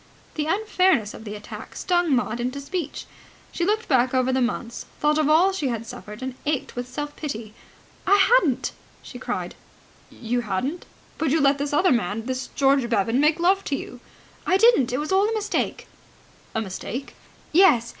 The unfairness of the attack stung Maud to speech. She looked back over the months, thought of all she had suffered, and ached with self pity. "I hadn't," she cried. "You hadn't? But you let this other man, this George Bevan, make love to you." "I didn't! That was all a mistake." "A mistake?" "Yes.